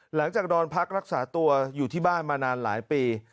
นอนพักรักษาตัวอยู่ที่บ้านมานานหลายปี